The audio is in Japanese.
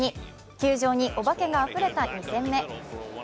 球場にお化けがあふれた２戦目。